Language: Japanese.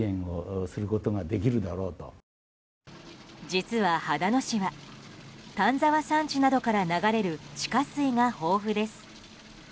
実は、秦野市は丹沢山地などから流れる地下水が豊富です。